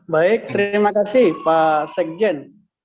baik terima kasih pak sekjen